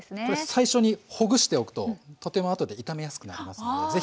これ最初にほぐしておくととても後で炒めやすくなりますので。